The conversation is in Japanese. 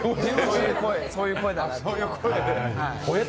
そういう声だなと。